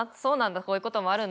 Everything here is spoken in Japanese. こういうこともあるんだ」。